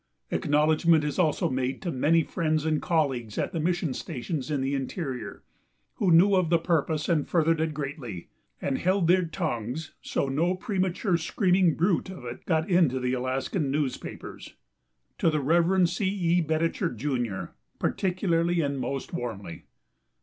Acknowledgment is also made to many friends and colleagues at the mission stations in the interior, who knew of the purpose and furthered it greatly and held their tongues so that no premature screaming bruit of it got into the Alaskan newspapers: to the Rev. C. E. Betticher, Jr., particularly and most warmly.